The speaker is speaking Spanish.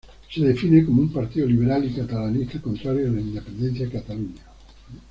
Se define como un partido liberal y catalanista contrario a la independencia de Cataluña.